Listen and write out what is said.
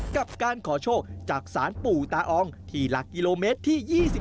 กับการขอโชคจากศาลปู่ตาอองที่หลักกิโลเมตรที่๒๔